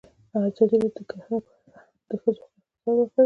ازادي راډیو د کرهنه په اړه د ښځو غږ ته ځای ورکړی.